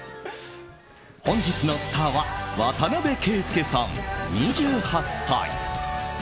本日のスターは渡邊圭祐さん、２８歳。